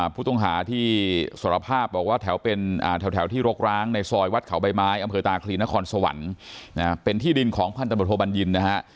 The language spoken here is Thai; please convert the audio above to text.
ผู้ต้องหาที่สารภาพบอกว่าแถวเป็นแถวที่รกร้างในซอยวัดเขาใบไม้อำเภอตาคลีนครสวรรค์เป็นที่ดินของพันธบทโทบัญญินนะฮะ